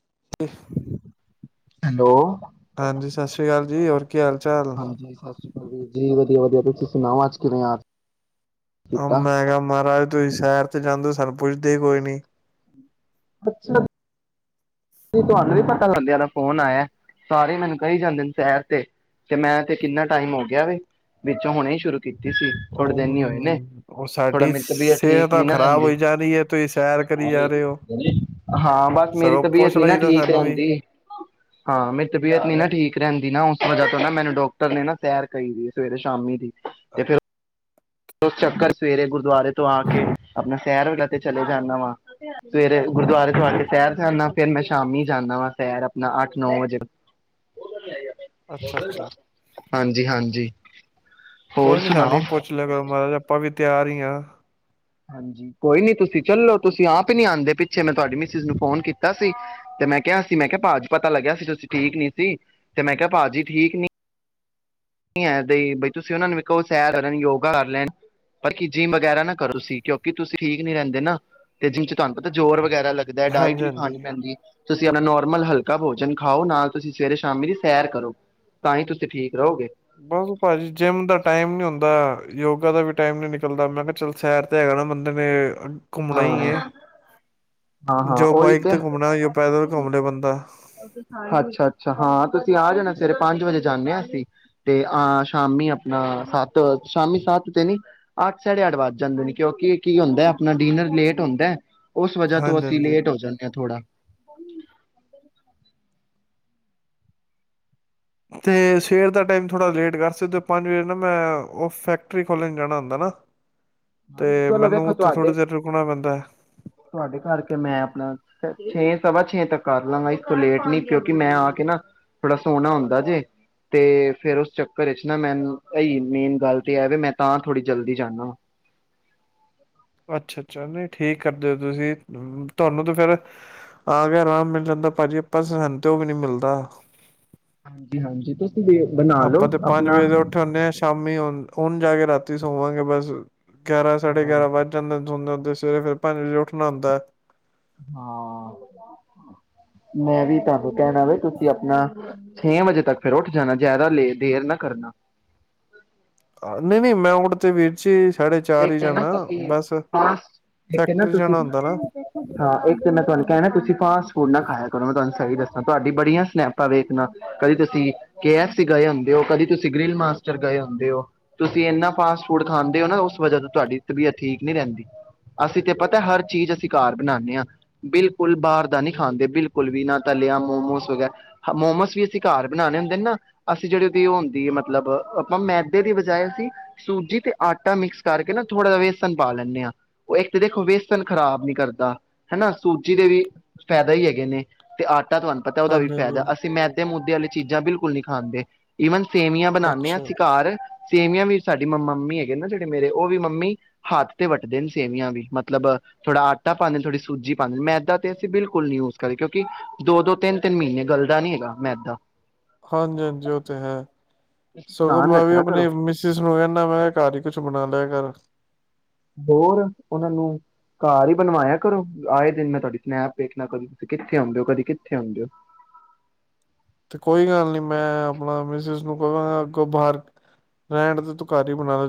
[unintelligible] Hello. ਹਾਂਜੀ ਸਤਿ ਸ੍ਰੀ ਅਕਾਲ ਜੀ ਹੋਰ ਕੀ ਹਾਲ-ਚਾਲ। ਹਾਂਜੀ ਸਤਿ ਸ਼੍ਰੀ ਅਕਾਲ ਵੀਰ ਜੀ ਵਧੀਆ ਵਧੀਆ ਤੁਸੀਂ ਸੁਣਾਓ ਅੱਜ ਕਿਵੇਂ ਯਾਦ ਅ ਕੀਤਾ? ਮੈਂ ਕਿਹਾ ਮਹਾਰਾਜ ਤੁਸੀਂ ਸੈਰ 'ਚ ਜਾਂਦੇ ਹੋ ਸਾਨੂੰ ਪੁੱਛਦੇ ਹੀ ਕੋਈ ਨੀ। ਅੱਛਾ। ਤੁਹਾਨੂੰ ਵੀ ਪਤਾ ਲਗ ਗਿਆ ਦਾ ਫੋਨ ਆਇਆ। ਸਾਰੇ ਮੈਨੂੰ ਕਹੀ ਜਾਂਦੇ ਨੇ ਸੈਰ ਤੇ ਕਿ ਮੈਂ ਤੇ ਕਿੰਨਾ ਟਾਈਮ ਹੋ ਗਿਆ ਵੇ ਵਿੱਚੋਂ ਹੋਣਾ ਹੀ ਸ਼ੁਰੂ ਕੀ ਤੀ ਸੀ ਥੋੜੇ ਦਿਨ ਹੀ ਹੋਏ ਨੇ, ਉਹ ਉਹ ਥੋੜਾ ਸਾਡੀ ਮੇਰੀ ਤਬੀਅਤ ਸਿਹਤ ਠੀਕ ਨੀ ਤਾਂ ਨਾ ਖ਼ਰਾਬ ਰਹਿੰਦੀ। ਹੋਈ ਜਾ ਰਹੀ ਹੈ ਤੁਸੀਂ ਸੈਰ ਕਰੀ ਜਾ ਰਹੇ ਹੋ ਹਾਂ ਬਸ ਮੇਰੀ ਸਗੋਂ ਤਬੀਅਤ ਪੁੱਛ ਨ ਨਾ ਲਈ ਦਾ ਠੀਕ ਸਾਨੂੰ ਵੀ ਰਹਿੰਦੀ ਹਾਂ ਮੇਰੀ ਤਬੀਅਤ ਨੀ ਨਾ ਠੀਕ ਰਹਿੰਦੀ ਨਾ ਉਸ ਵਜ੍ਹਾ ਤੋਂ ਨਾ ਮੈਨੂੰ ਡਾਕਟਰ ਨੇ ਨਾ ਸੈਰ ਕਹੀ ਦੀ ਹੈ ਸਵੇਰੇ ਸ਼ਾਮੀ ਦੀ। ਤੇ ਫੇਰ ਓ ਉਸ ਚੱਕਰ ਸਵੇਰੇ ਗੁਰਦੁਆਰੇ ਤੋਂ ਆ ਕੇ ਆਪਣਾ ਸੈਰ ਵਾਲਾ ਤੇ ਚਲੇ ਜਾਂਨਾ ਵਾਂ। ਸਵੇਰੇ ਗੁਰਦੁਆਰੇ ਤੋਂ ਆ ਕੇ ਸੈਰ ਜਾਨਾ ਫੇਿਰ ਮੈਂ ਸ਼ਾਮੀ ਜਾਂਨਾ ਵਾਂ ਸੈਰ ਆਪਣਾ ਅੱਠ ਨੌ ਵਜੇ ਅੱਛਾ ਅੱਛਾ ਹਾਂਜੀ ਹਾਂਜੀ। ਹੋਰ ਕੋਈ ਨੀ ਸੁਣਾਓ ਸਾਨੀ ਪੁੱਛ ਲਿਆ ਆਪਾਂ ਵੀ ਤਿਆਰ ਹੀ ਆ। ਹਾਂਜੀ, ਕੋਈ ਨੀ ਤੁਸੀਂ ਚਲੋ, ਤੁਸੀਂ ਆਪ ਹੀ ਨੀ ਆਂਦੇ ਪਿੱਛੇ ਮੈਂ ਤੁਹਾਡੀ ਮਿਸਿਸ ਨੂੰ ਫੋਨ ਕੀਤਾ ਸੀ, ਤੇ ਮੈਂ ਕਿਹਾ ਸੀ ਮੈਂ ਕਿਹਾ ਭਾਜੀ ਪਤਾ ਲੱਗਿਆ ਸੀ ਤੁਸੀਂ ਠੀਕ ਨੀ ਸੀ ਤੇ ਮੈਂ ਕਿਹਾ ਭਾਜੀ ਠੀਕ ਨ ਐਦਾ ਈ ਬਈ ਤੁਸੀਂ ਔਨਾਂ ਨੂੰ ਵੀ ਕੋ ਸੈਰ ਕਰ ਲੈਣ, ਯੋਗਾ ਕਰ ਲੈਣ, ਪਰ ਜਿੰਮ ਵਗੈਰਾ ਨਾ ਕਰੋ ਤੁਸੀਂ ਕਿਉਂਕਿ ਤੁਸੀਂ ਠੀਕ ਨੀ ਰਹਿੰਦੇ ਨਾ ਤੇ ਜਿੰਮ ਚ ਤੁਹਾਨੂੰ ਪਤਾ ਜ਼ੋਰ ਵ ਵਗੈਰਾ ਲੱਗਦਾ ਹੈ, ਡਾਇਟ ਹਾਂਜੀ ਵੀ ਖਾਣੀ ਹਾਂਜੀ ਪੈਂਦੀ ਏ ਤੁਸੀਂ ਆਪਣਾ ਨੋਰਮਲ ਹਲਕਾ ਭੋਜਨ ਖਾਔ ਨਾਲ ਤੁਸੀਂ ਸਵੇਰੇ ਸ਼ਾਮੀ ਦੀ ਸੈਰ ਕਰੋ। ਤਾਂ ਹੀ ਤੁਸੀਂ ਠੀਕ ਰਹੋਗੇ। ਬਸ ਭਾਜੀ, ਜਿੰਮ ਦਾ ਟਾਈਮ ਨੀ ਹੁੰਦਾ ਯੋਗਾ ਦਾ ਵੀ ਟਾਈਮ ਨਹੀਂ ਨਿਕਲਦਾ। ਮੈਂ ਕਿਹਾ ਚੱਲ ਸੈਰ ਤਾਂ ਹੈਗਾ ਨਾ ਬੰਦੇ ਨੇ ਘੁੰਮਣਾ ਹੀ ਹਾਂ ਹੈ ਹਾਂ ਹਾਂ ਜੋ ਉਹੀ ਬਾਈਕ ਤੇ ਘੁੰਮਣਾ ਜੋ ਪੈਦਲ ਘੁੰਮ ਲਏ ਬੰਦਾ ਅੱਛਾ ਅੱਛਾ ਹਾਂ ਤੁਸੀਂ ਆ ਜਾਣਾ ਸਵੇਰੇ ਪੰਜ ਵਜੇ ਜਾਂਦੇ ਹ ਅਸੀਂ ਤੇ ਹ ਸ਼ਾਮੀ ਆਪਣਾ ਸੱਤ ਸ਼ਾਮਿ ਸੱਤ ਤੇ ਨੀ ਅੱਠ ਸਾਢੇ ਅੱਠ ਵੱਜ ਜਾਂਦੇ ਨੇੀ ਕਿਉਂਕਿ ਕੀ ਹੁੰਦਾ ਆਪਣਾ ਡਿਨਰ ਲੇਟ ਹੁੰਦਾ ਉਸ ਵਜਾ ਤੋਂ ਹਾਂਜੀ ਅਸੀਂ ਹਾਂਜੀ ਲੇਟ ਹੋ ਜਾਂਦੇ ਹਾਂ ਥੋੜਾ ਹ ਤੇ ਸਵੇਰ ਦਾ ਟਾਈਮ ਥੋੜਾ ਲੇਟ ਕਰ ਸਕਦੇ ਹੋ ਤੇ ਪੰਜ ਵਜੇ ਨਾ ਮੈਂ ਉਹ ਫੈਕਟਰੀ ਖੋਲਣ ਜਾਣਾ ਹੁੰਦਾ ਹੈ ਨਾ ਹਾਂਜੀ ਤੇ ਚਲੋ ਮੈਨੂੰ ਵੇਖੋ ਉੱਥੇ ਤੁਹਾਡੇ ਥੋੜ੍ਹੀ ਦੇਰ ਰੁਕਣਾ ਪੈਂਦਾ ਹੈ ਤੁਹਾਡੇ ਕਰਕੇ ਮੈਂ ਆਪਣਾ ਛੇ ਸਵਾ ਛੇ ਤੱਕ ਕਰ ਲਾਂਗਾ ਇਸ ਤੋਂ ਲੇਟ ਨੀ ਕਿਉਂਕਿ ਮੈਂ ਆ ਕੇ ਨਾ ਥੋੜਾ ਸੋਹਣਾ ਹੁੰਦਾ ਜੇ ਤੇ ਫੇਿਰ ਉਸ ਚੱਕਰ ਵਿਚ ਨਾ ਮੈਂਨੂੰ ਇਹੀ ਮੇਨ ਗੱਲ ਤੇ ਇਹ ਵੀ ਮੈਂ ਤਾਂ ਥੋੜੀ ਜਲਦੀ ਜਾਨਾ ਵਾਂ ਅੱਛਾ ਅੱਛਾ ਨਹੀਂ ਠੀਕ ਕਰਦੇ ਹੋ ਤੁਸੀਂ ਤੁਹਾਨੂੰ ਤਾਂ ਫੇਿਰ ਆ ਕੇ ਆਰਾਮ ਮਿਲ ਜਾਂਦਾ ਭਾਜੀ ਆਪਾਂ ਸਹਿਣ ਤੇਓ ਵੀ ਨਹੀਂੀ ਮਿਲਦਾ ਹਾਂਜੀ ਹਾਂਜੀ ਵੀ ਬਣਾ ਲਓ ਆਪਾਂ ਤੇ ਪੰਜ ਆਪਣਾ ਵਜੇ ਤੋਂ ਉੱਠੇ ਹਦੇ ਹਾਂ ਸ਼ਾਮੀ ਉਹਣ ਜਾ ਕੇ ਰਾਤੀ ਸੋਵਾਂਗੇ ਬਸ ਗਿਆਰਾਂ ਸਾਢਡੇ ਗਿਆਰਾਂ ਵੱਜ ਜਾਂਦੇ ਹੁੰਦੇ ਜ ਸਵੇਰੇ ਫਰ ਪੰਜ ਵਜੇ ਉੱਠਣਾਉੁੰਦਾ ਹੈ ਹਾਂ ਮੈਂ ਵੀ ਤਾਂ ਫ਼ਿਰ ਕਹਿਣਾ ਵੈ ਤੁਸੀਂ ਆਪਣਾ ਛੇ ਵਜੇ ਤੱਕ ਫੇਿਰ ਉੱਠ ਜਾਣਾ ਜ਼ਿਆਦਾ ਲ ਦੇਰ ਨਾ ਕਰਨਾ ਨਹੀਂ ਨਹੀਂ ਮੈਂ ਉੜ ਤੇ ਵੀਰ ਜੀ ਹੀ ਇੱਕ ਨਾ ਤੁ ਜਾਣਾ ਬਸ ਫੈਕਟਰੀ ਤੁਸੀਂ ਜਾਣਾ ਹੁੰਦਾ ਨਾ ਹਾਂ ਇੱਕ ਤੇ ਨਾ ਤੂਅਨੂੰ ਕਹਿਣਾ ਤੁਸੀਂ ਫਾਸਟ ਫੂਡ ਨਾ ਖਾਇਆ ਕਰੋ ਮੈਂ ਤੁਹਾਨੂੰ ਸਹੀ ਦੱਸਾਂ ਤੁਹਾਡੀ ਬੜੀਆਂ ਸਨੈਪਾਂ ਵੇਖਣਾ ਕਦੇ ਤੁਸੀਂ ਕੇ ਐਫ ਸੀ ਗਏ ਹੁੰਦੇ ਹੋ ਕਦੀ ਤੁਸੀਂ ਗ੍ਰਿਲ ਮਾਸਟਰ ਗਏ ਹੁੰਦੇ ਹੋ ਤੁਸੀਂ ਇੰਨਾ ਫਾਸਟ ਫੂਡ ਖਾਂਦੇ ਹੋ ਨਾ ਵਜ੍ਹਾ ਤੋਂ ਤੁਹਾਡੀ ਤਬੀਅਤ ਠੀਕ ਨਹੀਂੀ ਰਹਿੰਦੀ ਅਸੀਂ ਤੇ ਪਤਾ ਹਰ ਚੀਜ਼ ਅਸੀਂ ਘਰ ਬਣਾਉਦੇ ਹਾਂ ਬਿਲਕੁਲ ਬਾਹਰ ਦਾ ਨਹੀਂੀ ਖਾਂਦੇ ਬਿਲਕੁਲ ਵੀ ਨਾ ਤਾਂ ਲਿਆ ਮੋਮੋਸ ਵਗੈਰਾ ਮੋਮੋਸ ਵੀ ਅਸੀਂ ਘਰ ਬਣਾਉਣੇ ਹੁੰਦੇ ਨਾ ਅਸੀਂ ਜਿਹੜੇ ਉਹਦੀ ਉਹ ਹੁੰਦੀ ਹੈ ਮਤਲਬ ਆਪਾਂ ਮੈਦੇ ਦੀ ਬਜਾਏ ਅਸੀਂ ਸੂਜੀ ਤੇ ਆਟਾ ਮਿਕਸ ਕਰਕੇ ਨਾ ਥੋੜ੍ਹਾ ਜ ਵੇਸਨ ਪਾ ਲੈਂਦੇ ਹਾਂ ਉਹ ਇੱਕ ਤਾਂ ਦੇਖੋ ਵੇਸਨ ਖਰਾਬ ਨੀ ਕਰਦਾ ਹੈਨਾ ਸੂਜੀ ਦੇ ਵੀ ਫਾਇਦਾ ਹੀ ਹੈਗੇ ਨੇ ਤੇ ਆਟਾ ਤੁਹਾਨੂੰ ਪਤਾ ਉਹਦਾ ਹਾਂਜੀ ਫਾਇਦਾ ਹਾਂਜੀ ਅਸੀਂ ਮੈਦੇ ਮੁਦੇ ਵਾਲੇ ਚੀਜ਼ਾਂ ਬਿਲਕੁਲ ਨਹੀਂੀ ਖਾਣਦੇ ਈਵਨ ਸੇਵੀਆਂ ਬਣਾਉਦੇ ਹਾਂ ਅੱਛਾ ਅਸੀਂ ਘਰ ਸੇਵੀਆਂ ਵੀ ਸਾਡੀ ਮੰਮਾ ਮੰਮੀ ਹੈਗੇ ਨਾ ਜਿਹੜੇ ਮੇਰੇ ਉਹ ਵੀ ਮੰਮੀ ਹੱਥ ਤੇ ਵੱਟਦੇ ਨੇ ਸੇਵੀਆਂ ਵੀ ਮਤਲਬ ਥੋੜਾ ਆਟਾ ਪਾਉਂਦੇ ਨੇ ਥੋੜੀ ਸੂਜੀ ਪਾਉਂਦੇ ਨੇ ਮੈਦਾ ਤੇ ਅਸੀਂ ਬਿਲਕੁਲ ਨੀ ਯੂਜ ਕਰੀ ਕਿਉਂਕਿ ਦੋ ਦੋ ਤਿੰਨ ਤਿੰਨ ਮਹੀਨੇ ਗਲਦਾ ਨੀ ਹੈਗਾ ਮੈਦਾ ਹਾਂਜੀ ਹਾਂਜੀ ਉਹ ਤੇ ਹੈ ਸਗੋਂ ਧਿਆਨ ਮੈਂ ਵੀ ਰੱਖਿਆ ਕਰੋ ਆਪਣੀ ਮਿਸਿਸ ਨੂੰ ਕਹਿੰਦਾ ਮੈਂ ਘ ਹੀ ਕੁਛ ਬਣਾ ਲਿਆ ਹ ਹੋਰ ਉਹਨਾਂ ਨੂੰ ਘਰ ਹੀ ਬਣਵਾਇਆ ਕਰੋ ਆਏ ਦਿਨ ਮੈਂ ਤੁਹਾਡੀ ਸਨੈਪ ਵੇਖਣਾ ਕਦੇ ਤੁਸੀਂ ਕਿੱਥੇ ਆਉਂਦੇ ਹੋ ਕਦੀ ਕਿੱਥੇ ਆਉਂਦੇ ਹੋ ਤੇ ਕੋਈ ਗੱਲ ਨੀ ਮੈਂ ਆਪਣਾ ਮਿਸਿਸ ਨੂੰ ਕਹ ਅੱਗੋਂ ਬਾਹਰ ਰਹਿਣ ਤੇ ਤਕਾਰੀ ਬਣਾ ਲੋ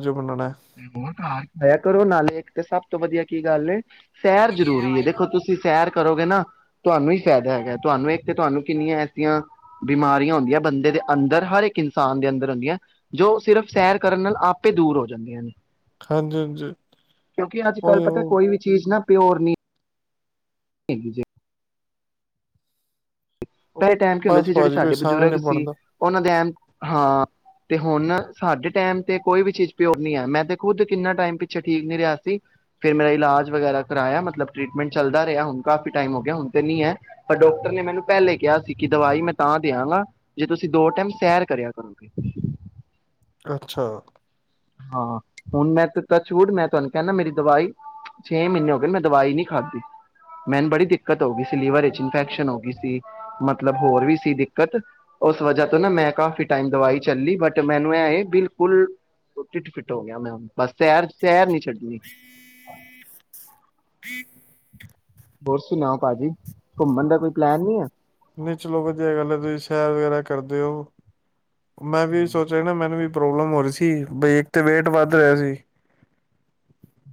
ਆਇਆ ਕਰੋ ਨਾਲੇ ਤੇ ਸਭ ਤੋਂ ਵਧੀਆ ਕੀ ਗੱਲ ਨੇ ਸੈਰ ਜ਼ਰੂਰੀ ਦੇਖੋ ਤੁਸੀਂ ਸੈਰ ਕਰੋਗੇ ਨਾ ਤੁਹਾਨੂੰ ਹੀ ਫਾਇਦਾ ਹੈਗਾ ਤੁਹਾਨੂੰ ਇੱਕ ਤੇ ਤੁਹਾਨੂੰ ਕਿੰਨੀਆਂ ਐਸੀਆਂ ਬਿਮਾਰੀਆਂ ਹੁੰਦੀਆਂ ਬੰਦੇ ਦੇ ਅੰਦਰ ਹਰ ਇੱਕ ਇਨਸਾਨ ਦੇ ਅੰਦਰ ਹੁੰਦੀਆਂ ਜੋ ਸਿਰਫ਼ ਸੈਰ ਕਰਨ ਨਾਲ ਆਪੇ ਦੂਰ ਹੋ ਜਾ ਜਾਂਦੀਆਂ ਨੇ ਹਾਂਜੀ ਹਾਂਜੀ ਕਿਉਂਕਿ ਅੱਜ ਕੱਲ ਉਹੀ ਪਤਾ ਉਹ ਕੋਈ ਵੀ ਚੀਜ਼ ਨਾ ਪਿਓਰ ਨਹੀਂ ਠ ਜੇ ਉਹ- ਪਹਿਲੇ ਟਾਈਮ ਕੀ ਹੁੰਦੇ ਬਸ ਸੀ ਜਿਹੜੇ ਭਾਜੀ ਕੋਈ ਸਾਡੇ ਸੰਗ ਬਜ਼ੁਰਗ ਨਹੀਂ ਸੀ ਬਣਦਾ ਉਹਨਾਂ ਦੇ ਐਮ ਹਾਂ ਤੇ ਹੁਣ ਸਾਡੇ ਟਾਈਮ ਤੇ ਕੋਈ ਵੀ ਚੀਜ਼ ਪਿਰ ਨ ਹੈ ਮੈਂ ਤੇ ਖੁੱਦ ਕਿੰਨਾ ਟਾਈਮ ਪਿੱਛੇ ਠੀਕ ਨੀ ਰਿਹਾ ਸੀ ਫੇਿਰ ਮੇਰਾ ਇਲਾਜ ਵਗੈਰਾ ਕਰਾਇਆ ਮਤਲਬ ਟ੍ਰਰੀਟਮੈਂਟ ਚੱਲਦਾ ਰਿਹਾ ਹੁਣ ਕਾਫੀ ਟਮ ਹੋ ਗਿਆ ਹੁਣ ਤੇ ਨੀ ਹੈ ਪਰ ਡਾਕਟਰ ਨੇ ਮੈਨੂੰ ਪਹਿਲੇ ਕਿਹਾ ਸੀ ਕਿ ਦਵਾਈ ਮੈਂ ਤਾਂ ਦਿਆਂਗਾ ਜੇ ਤੁਸੀਂ ਦੋ ਟਾਈਮ ਸੈਰ ਕਰਿਆ ਕਰੋਗੇ ਅੱਛਾ ਹਾਂ ਹੁਣ ਮੈਂ ਤਾਂ ਛੂਟ ਮੈਂ ਤੁਹਾਨੂੰ ਕਹ ਮੇਰੀ ਦਵਾਈ ਛੇ ਮਹੀਨੇ ਹੋ ਗਏ ਮੈਂ ਦਵਾਈ ਨੀ ਖਾਧੀ ਮੈਨੂੰ ਬੜੀ ਦਿੱਕਤ ਹੋ ਗਈ ਸੀ ਲੀਵਰ ਵਿਚ ਇਨਫੈਕਸ਼ਨ ਹੋ ਗਈ ਸੀ ਮਤਲਬ ਹੋਰ ਵੀ ਸੀ ਦਿੱਕਤ ਉਸ ਵਜਾ ਤੋਂ ਨਾ ਮੈਂ ਕਾਫ਼ੀ ਟਾਈਮ ਦਵਾਈ ਚੱਲੀ ਬਟ ਮੈਨੂੰ ਐ ਇਹ ਬਿਲਕੁਲ ਫਿੱਟ ਫਿੱਟ ਹੋ ਗਿਆ ਮੈਂ ਬਸ ਸੈਰ ਸੈਰ ਨ ਛੱਡੀ ਜੀ ਹੋਰ ਸੁਣਾਓ ਭਾਜੀ ਘੁੰਮਣ ਦਾ ਕੋਈ ਪਲੈਨ ਨਹੀ ਹੈ ਨਹੀਂ ਚਲੋ ਵਧੀਆ ਗੱਲ ਹੈ ਤੁਸੀਂ ਸੈਰ ਵਗੈਰਾ ਕਰਦੇ ਹੋ ਮੈਂ ਵੀ ਸੋਚ ਰਹਾ ਨਾ ਮੈਨੂੰ ਵੀ ਪ੍ਰੋਬਲਮ ਹੋ ਰਹੀ ਸੀ ਬਈ ਇੱਕ ਤੇ ਵੇਟ ਵੱਧ ਰਿਹਾ ਸੀ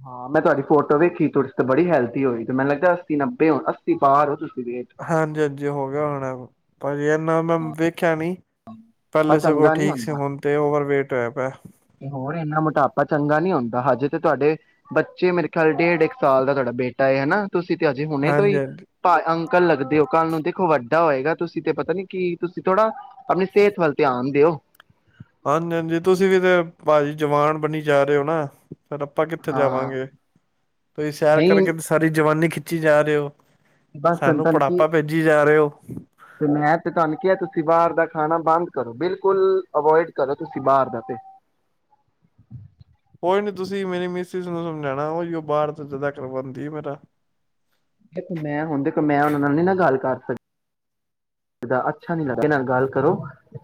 ਹਾਂ ਮੈਂ ਤੁਹਾਡੀ ਫੋਟੋ ਵੇਖੀ ਤੁੁਰ ਤੇ ਬੜੀ ਹੈਲਦੀ ਹੋਈ ਤੇ ਮੈਨੂੰ ਲੱਗਦਾ ਅੱਸੀ ਨੱਬੇ ਹੋ ਅੱਸੀ ਬਾਹਰ ਹੋ ਤੁਸੀਂ ਵੇਟ ਹਾਂਜੀ ਹਾਂਜੀ ਹੋ ਗਿਆ ਹੋਣਾ ਪਰ ਯ ਨ ਮੈਂ ਵਿ ਕਿਆ ਨਹੀਂ ਆਪਾਂ ਪਹਿਲੇ ਸ ਉਹ ਚੰਗਾ ਨੀ ਠੀਕ ਸੀ ਹੁੰਦਾ ਹਣ ਤੇ ਓਵਰਵੇੇਟ [unintelligible] ਤੇ ਹੋਰ ਇੰਨਾ ਮੋਟਾਪਾ ਚੰਗਾ ਨੀ ਹੁੰਦਾ ਹਜੇ ਤੇ ਤੁਹਾਡੇ ਬੱਚੇ ਮੇਰੇ ਖਿਆਲ ਡੇਢ ਇੱਕ ਸਾਲ ਦਾ ਤੁਹਾਡਾ ਬੇਟਾ ਹਨਾ ਤੁਸੀਂ ਤੇ ਅਜੇ ਹੁਣੇ ਤੋਂ ਹਾਂਜੀ ਹੀ ਹਾਂਜੀ ਭ ਅੰ ਕਲ ਲੱਗਦੇ ਹੋ ਕੱਲ ਨੂੰ ਦੇਖੋ ਵੱਡਾ ਹੋਏਗਾ ਤੁਸੀਂ ਤੇ ਪਤਾ ਨੀ ਕੀ ਤੁਸੀਂ ਥੋੜਾ ਆਪਣੀ ਸਿਹਤ ਵੱਲ ਧਿਆਨ ਦਿਓ ਹਾਂਜੀ ਹਾਂਜੀ ਤੁਸੀਂ ਵੀ ਤੇ ਭਾਜੀ ਜਵਾਨ ਬਣੀ ਜਾ ਰਹੇ ਹੋ ਨਾ ਫਿਰ ਆਪਾਂ ਕਿੱਥੇ ਹਾਂ ਜਾਵਾਂਗੇ ਤੁਸੀਂ ਸੈਰ ਨਹੀਂ ਕਰਕੇ ਤੇ ਸਾਰੀ ਜਵਾਨੀ ਜਾ ਰਹੇ ਹੋ ਬਸ ਸਾਨੂੰ ਤਨ ਕੀ ਬੁੜਾਪਾ ਭੇਜੀ ਜਾ ਰਹੇ ਓ [unintelligible] ਤੇ ਮੈਂ ਤੇ ਤੁਹਾਨੂੰ ਕਿਹਾ ਤੁਸੀਂ ਬਾਹਰ ਦਾ ਖਾਣਾ ਬੰਦ ਕਰੋ ਬਿਲਕੁਲ ਅਵੋਇਡ ਕਰੋ ਤੁਸੀਂ ਬਾਹਰ ਦਾ ਤੇ। ਕੋਈ ਨੀ ਤੁਸੀਂ ਮੇਰੀ ਮਿਸਿਸ ਨੂੰ ਸਮਝਾਉਣਾ ਹੀ ਉਹ ਬਾਹਰ ਜਦਾ ਕਰਵਾਉਂਦੀ ਮੇਰਾ। ਦੇਖੋ ਮੈਂ ਹੁਣ ਦੇਖੋ ਮੈਂ ਉਹਨਾਂ ਨਾਲ ਨੀ ਨਾ ਗੱਲ ਕਰ ਸਕ ਅੱਛਾ ਨੀ ਲੱ ਇਹ ਨਾਲ ਗੱਲ ਕਰੋ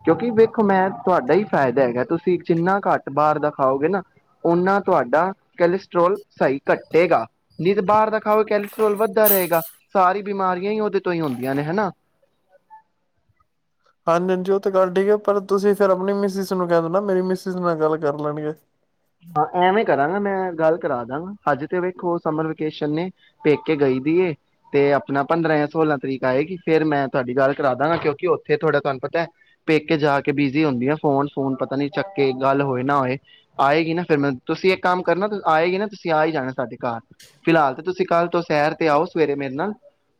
ਕਿਉਂਕਿ ਵੇਖੋ ਮੈਂ ਤੁਹਾਡਾ ਹੀ ਫਾਇਦਾ ਹੈਗਾ ਤੁਸੀਂ ਜਿੰਨਾ ਘੱਟ ਬਾਹਰ ਦਾ ਖਾਓਗੇ ਨਾ ਓਨਾ ਤੁਹਾਡਾ ਕਲਸਟਰ੍ਰੋਲ ਸਹੀ ਘੱਟੇਗਾ ਨਹੀਂ ਤਾਂ ਬਾਹਰ ਦਾ ਖਾਓਗੇ ਕੈਲਸਟਰ੍ਰੋਲ ਵੱਧਦਾ ਰਹੇਗਾ ਸਾਰੀ ਬਿਮਾਰੀਆਂ ਹੀ ਉਹਦੇ ਤੋਂ ਹੀ ਹੁੰਦੀਆਂ ਨੇ ਹਨਾ। ਹਾਂਜੀ-ਹਾਂਜੀ ਉਹ ਤਾਂ ਗੱਲ ਠੀਕ ਹੈ ਪਰ ਤੁਸੀਂ ਸਰ ਆਪਣੀ ਮਿਸ ਨੂੰ ਕਹਿ ਦੋ ਨਾ ਮੇਰੀ ਮਿਸ ਨਾਲ ਗੱਲ ਕਰ ਲੈਣਗੇ। ਹਾਂ ਐਵੇਂ ਕਰਾਂਗਾ ਮੈਂ ਗੱਲ ਕਰਾ ਦਾਂਗਾ ਹਜੇ ਤੇ ਵੇਖੋ ਸਮਰ ਵੇਕੇਸ਼ਨ ਨੇ ਪੇਕੇ ਗਈ ਦੀਏ ਤੇ ਆਪਣਾ ਪੰਦਰਾਂ ਜਾਂ ਸੋਲਾਂ ਤਰੀਕ ਆਏਗੀ ਫੇਰ ਮੈਂ ਤੁਹਾਡੀ ਗੱਲ ਕਰਾ ਦਾਂਗਾ ਕਿਉਂਕਿ ਉੱਥੇ ਥੋੜ੍ਹਾ ਤੁਹਾਨੂੰ ਪਤਾ ਹੈ ਪੇਕੇ ਜਾ ਕੇ ਬਿਜੀ ਹੁੰਦੀ ਆ ਫੋਨ-ਫੂਨ ਪਤਾ ਨੀ ਚੱਕੇ ਗੱਲ ਹੋਏ ਨਾ ਹੋਏ। ਆਏਗੀ ਨਾ ਫਿਰ ਮ ਤੁਸੀਂ ਇੱਕ ਕੰਮ ਕਰਨਾਂ ਆਏਗੀ ਨਾ ਤੁਸੀਂ ਆ ਹੀ ਜਾਣਾ ਸਾਡੇ ਘਰ ਫਿਲਹਾਲ ਤੇ ਤੁਸੀਂ ਤੁਸੀਂ ਕੱਲ ਤੋਂ ਸੈਰ ਤੇ ਆਓ ਸਵੇਰੇ ਮੇਰੇ ਨਾਲ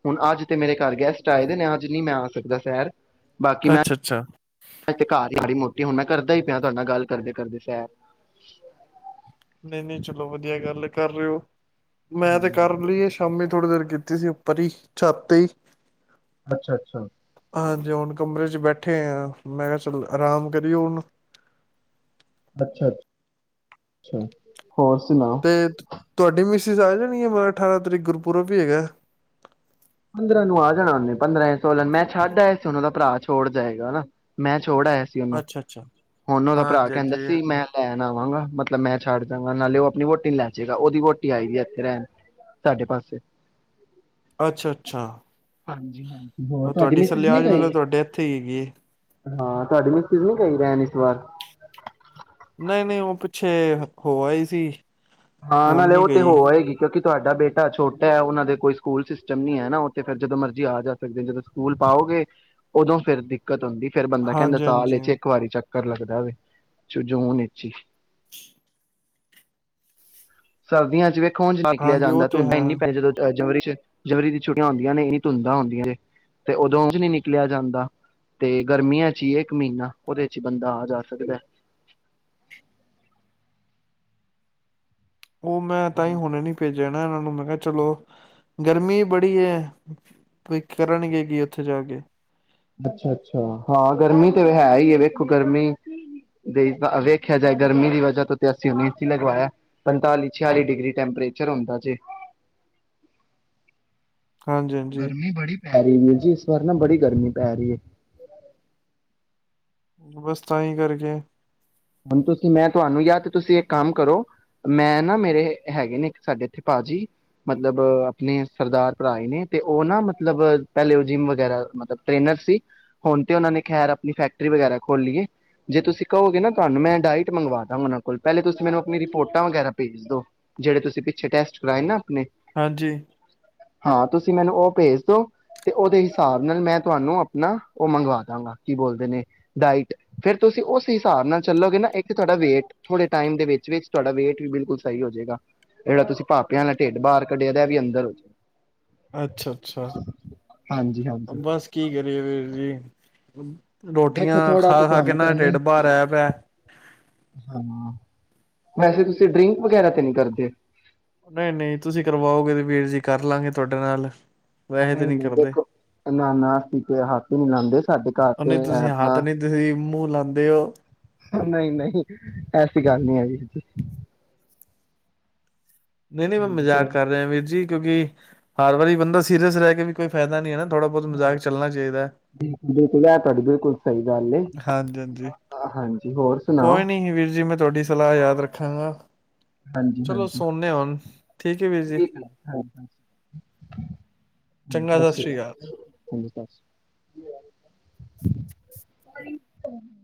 ਹੁਣ ਅੱਜ ਤੇ ਮੇਰੇ ਘਰ ਗੈਸਟ ਆਏ ਦੇ ਨੇ ਅੱਜ ਨਹੀਂ ਮੈਂ ਆ ਸਕਦਾ ਸੈਰ। ਅੱਛਾ-ਅੱਛਾ ਇਥ ਘਰ ਹੀ ਮਾੜੀ ਮੋ ਹੁਣ ਮੈਂ ਕਰਦਾ ਹੀ ਪਿਆ ਤੁਹਾਡੇ ਨਾਲ ਗੱਲ ਕਰਦੇ ਕਰਦੇ ਸੈਰ। ਨਹੀਂ-ਨਹੀਂ ਚਲੋ ਵਧੀਆ ਗੱਲ ਕਰ ਰਹੇ ਹੋ। ਮੈਂ ਤੇ ਹਾਂਜੀ ਕਰ ਲਈ ਏ ਸ਼ਾਮੀ। ਥੋੜ੍ਹੀ ਦੇਰ ਕੀਤੀ ਸੀ ਉੱਪਰ ਹੀ ਛੱਤ ਤੇ ਹੀ। ਅੱਛਾ- ਅੱਛਾ ਹਾਂਜੀ ਹੁਣ ਕਮਰੇ ਚ ਬੈਠੇ ਹੋਏ ਆ, ਮੈਂ ਕਿਹਾ ਚੱਲ ਆਰਾਮ ਕਰੀਓ ਹੁਣ। ਅੱਛਾ-ਅੱਛਾ ਤੇ ਤੁਹਾਡੀ ਮਿਸ ਸੀ ਆ ਜਾਨ ਗੇ ਅਠਾਰਾਂ ਤਰੀਕ ਨੂੰ ਗੁਰਪੁੁਰਬ ਵੀ ਹੈਗਾ। ਪੰਦਰਾਂ ਨੂੰ ਆ ਜਾਣਾ ਉਹਨੇ ਪੰਦਰਾਂ ਸੋਲਾਂ ਮੈਂ ਛੱਡ ਆਏ ਸੀ। ਉਹਨਾਂ ਦਾ ਭਰਾ ਛੋੜ ਜਾਏਗਾ ਮੈਂ ਛੋੜ ਆਇਆ ਸੀ ਉਹਨੂੰ, ਅੱਛਾ ਅੱਛਾ ਹੁਣ ਉਹਦਾ ਭਰਾ ਹਾਂਜੀ ਕਹਿੰਦਾ ਹਾਂਜੀ ਸੀ ਮੈਂ ਲੈ ਲੈ ਆਵਾਂਗਾ, ਮਤਲਬ ਮੈਂ ਛੱਡ ਜਾਂ ਗਾ ਨਾਲ਼ੇ ਆਪਣੀ ਵੋਹਟੀ ਲੈਜਾਗਾ, ਓਹਦੀ ਵੋਹਟੀ ਆਈ ਦੀਏ ਇਥੇ ਰਹਿਣ ਸਾਡੇ ਪਾਸੇ। ਅੱਛਾ-ਅੱਛਾ ਹਾਂਜੀ ਹਾਂ ਉਹ ਤੁਹਾਡੀ ਸਲਿਆਜ ਮਤਲਬ ਤੁਹਾਡੇ ਇੱਥੇ ਹੀ ਹੈਗੀ ਏ। ਹਾਂ ਤੁਹਾਡੀ ਮਿਸਜ਼ ਨਹੀਂ ਗਈ ਰਹਿਣ ਇਸ ਵਾਰ। ਨਹੀਂ-ਨਹੀਂ, ਉਹ ਪਿੱਛੇ ਹੋ ਆਈ ਸੀ। ਹਾਂ ਹੁਣ ਨਾਲੇ ਨੀ ਉਹ ਤੇ ਹੋ ਗਈ। ਆਏਗੀ ਕਿਉਂਕਿ ਤੁਹਾਡਾ ਬੇਟਾ ਛੋਟਾ ਹੈ ਉਹਨਾਂ ਦੇ ਕੋਈ ਸਕੂਲ ਸਿਸਟਮ ਨੀ ਹੈ ਨਾ ਉਥੇ ਫੇਰ ਜਦੋਂ ਮਰਜ਼ੀ ਆ ਜਾ ਸਕਦੇ ਜਦੋਂ ਸਕੂਲ ਪਾਓਗੇ ਉਦੋਂ ਫੇਰ ਦਿੱਕਤ ਹੁੰਦੀ ਫੇਰ ਬੰਦਾ ਕਹਿੰਦਾ ਹਾਂਜੀ ਸਾਲ ਇਹ ਹਾਂਜੀ ਚ ਇੱਕ ਵਾਰੀ ਚੱਕ ਕਰ ਲੱਗਦਾ ਵੇ ਜੂਨ ਇਚ ਈ। ਸਰਦੀਆਂ ਚ ਵਿੱ ਉੰਝ ਨਿਕਲਿਆ ਹਾਂਜੀ ਉਹ ਜਾਂਦਾ ਤੇ ਧੂੰਦ ਹੈ। ਏਨੀ ਪੈ ਜਾਂਦੀ ਜੋਦੋ ਜਨਵਰੀ ਜਨਵਰੀ ਦੀ ਛੁੱਟੀਆਂ ਹੁੰਦੀਆਂ ਨੇ ਇਨੀ ਧੁੰਦਾਂ ਹੁੰਦੀਆਂ ਨੇ ਤੇ ਉਦੋਂ ਉੰਝ ਨੀ ਨਿਕਲਿਆ ਜਾਂਦਾ ਤੇ ਗਰਮੀਆਂ ਚ ਹੀ ਇੱਕ ਮਹੀਨਾ ਉਹਦੇ ਚ ਬੰਦਾ ਆ ਜਾ ਸਕਦਾ। ਉਹ ਮੈਂ ਤਾਂ ਹੁਣੇ ਨੀ ਭੇਜ ਜਾਣਾ ਇਹਨਾਂ ਨੂੰ ਮੈਂ ਕਿਹਾ ਚਲੋ, ਗਰਮੀ ਬੜੀ ਹੈ ਕਰਨਗੇ ਕੀ ਉੱਥੇ ਜਾ ਕੇ। ਅੱਛਾ-ਅੱਛਾ ਹਾਂ ਗਰਮੀ ਤੇ ਹੈ ਹੀ ਹੈ ਵੇਖੋ ਗਰਮੀ ਦੇ ਵੇਖਿਆ ਜਾਏ ਗਰਮੀ ਦੀ ਵਜ੍ਹਾ ਤੋਂ ਤੇ ਅਸੀਂ ਹੋਣ ਏ ਸੀ ਲਵਾਇਆ ਪੰਤਾਲੀ-ਛਿਆਲੀ ਡਿਗਰੀ ਟੈਂਪਰੇਚਰ ਹੁੰਦਾ ਜੇ। ਹਾਂਜੀ-ਹਾਂਜੀ। ਅਰੇ ਵੀਰ ਜੀ ਇਸ ਵਾਰ ਨਾ ਬੜੀ ਗਰਮੀ ਪੈ ਰਹੀ ਹੈ। ਬਸ ਤਾਂਹੀ ਕਰਕੇ ਹੁਣ ਤੁਸੀਂ ਮੈਂ ਤੁਹਾਨੂੰ ਯ ਤੇ ਤੁਸੀਂ ਇੱਕ ਕੰਮ ਕਰੋ ਮੈਂ ਨਾ ਮੇਰੇ ਹੈਗੇ ਨੇ ਇੱਕ ਸਾਡੇ ਇੱਥੇ ਭਾਜੀ, ਮਤਲਬ ਆਪਣੇ ਸਰਦਾਰ ਭਰਾ ਨੇ ਤੇ ਉਹ ਨਾ ਮਤਲਬ ਪਹਿਲੇ ਉਹ ਜਿੰਮ ਵਗੈਰਾ ਮਤਲਬ ਟ੍ਰੇਨਰ ਸੀ। ਹੁਣ ਤੇ ਉਹਨਾਂ ਨੇ ਖੈਰ ਆਪਣੀ ਫੈਕਟਰੀ ਵਗੈਰਾ ਖੋਲਲੀਏ ਜੇ ਤੁਸੀਂ ਕਹੋਗੇ ਨਾ ਤੁਹਾਨੂੰ ਮੈਂ ਡਾਇਟ ਮੰਗਵਾ ਦਾਗਾ। ਸੇਵਨ ਬਲ, ਪਹਿਲੇ ਤੁਸੀ ਮੈਨੂੰ ਆਪਣੀ ਰਿਪੋਰਟਾਂ ਵਗੈਰਾ ਭੇਜ ਦੋ। ਜਿਹੜੇ ਤੁਸੀਂ ਪਿੱਛੇ ਟੈਸਟ ਕਰਾਏ ਨਾ। ਆਪਣੇ ਹਾਂਜੀ। ਹਾਂ, ਤੁਸੀਂ ਮੈਨੂੰ ਉਹ ਭੇਜ ਦੋ, ਤੇ ਉਹਦੇ ਹਿਸਾਬ ਨਾਲ ਮੈਂ ਤੁਹਾਨੂੰ ਆਪਣਾ ਉਹ ਮੰਗਵਾ ਦਵਾਂਗਾ, ਕੀ ਬੋਲਦੇ ਨੇ, ਡਾਇਟ ਫੇਰ ਤੁਸੀਂ ਉਸ ਹਿਸਾਬ ਨਾਲ ਚੱਲੋਗੇ ਨਾ ਇੱਕ ਤੁਹਾਡਾ ਵੇਟ ਥੋੜੇ ਟਾਈਮ ਦੇ ਵਿੱਚ-ਵਿਚ ਤੁਹਾਡਾ ਵੇਟ ਵੀ ਬਿਲਕੁਲ ਸਹੀ ਹੋ ਜਾਏਗਾ। ਜਿਹੜਾ ਤੁਸੀਂ ਪਾਾਪਿਆਂ ਵਾਲਾ ਢਿੱਡ ਤੁਸੀ ਬਾਹਰ ਕੱਢਿਆ ਦਾ ਇਹਵੀ ਅੰਦਰ ਹੋ ਜਾਵੇਗਾ। ਅੱਛਾ-ਅੱਛਾ, ਹਾਂਜੀ ਹਾਂਜੀ ਬਸ ਕੀ ਕਰੀਏ ਵੀਰ ਜੀ? [inaudible] ਰੋਟੀਆਂ ਦੇਖੋ ਥੋੜਾ ਤੇ ਖਾ-ਖਾ ਕੇ ਤੁਹਾਨੂੰ ਨਾ ਕਰਨਾ ਢਿੱਡ ਹੀ ਬਾਹਰ ਆਇਆ ਪਿਆ। ਹਾਂ ਵੈਸੇ ਤੁਸੀਂ ਡਰਿੰਕ ਵਗੈਰਾ ਤੇ ਨਹੀਂ ਕਰਦੇ ਹੋ। ਨਹੀਂ-ਨਹੀਂ ਤੁਸੀਂ ਕਰਵਾਓਗੇ ਤੇ ਵੀਰ ਜੀ ਕਰ ਲਵਗੇ ਤੁਹਾਡੇ ਨਾਲ। ਵੈਸੇ ਤੇ ਨਹੀਂ ਨਹੀਂ-ਨਹੀਂ ਕਰਦੇ ਦੇਖੋ ਨਾ-ਨਾ ਪੀਕੇ ਹੱਥ। ਤਿੰਨਾਂ ਦੇ। ਉਹ ਨਹੀਂ, ਤੁਸੀਂ ਹੱਥ ਨਹੀਂ ਤੁਸੀਂ ਮੂੰਹ ਲਾਉਂਦੇ ਹੋ। ਉਹ ਨਹੀਂ- ਨਹੀਂ, ਐਸੀ ਗੱਲ ਨਹੀਂ ਹੈਗੀ। ਨਹੀਂ- ਨਹੀਂ, ਮੈਂ ਹਾਂਜੀ ਮਜ਼ਾਕ ਹੋਰ ਕਰ ਰਿਹਾ ਵੀਰ ਜੀ ਕਿਉਂਕਿ ਹਰ ਵਾਰੀ ਬੰਦਾ ਸੀਰੀਅਸ ਰਹਿ ਕੇ ਵੀ ਕੋਈ ਫਾਇਦਾ ਨੀ ਹੈਨਾ। ਹਾਂ, ਬਿਲਕੁਲ -ਬਿਲਕੁਲ ਯਾਰ ਤੁਹਾਡੀ ਬਿਲਕੁਲ ਸਹੀ। ਗੱਲ ਏ ਹਾਂਜੀ- ਹਾਂਜੀ ਹਾਂਜੀ ਹੋਰ ਸੁਣਾਓ ਕੋਈ ਨੀ ਵੀਰ ਜੀ ਮੈਂ ਤੁਹਾਡੀ ਸਲਾਹ ਯਾਦ ਰੱਖਾਂਗਾ। ਹਾਂਜੀ ਚਲੋ ਹਾਂਜੀ ਸੋੇਦੇ ਹਾਂ ਹੁਣ, ਠੀਕ ਹੈ ਵੀਰ ਜੀ। ਚੰਗਾ ਸਤਿ ਓਕੇ। ਸ਼੍ਰੀ ਅਕਾਲ। ੰਦਰ [unintelligible]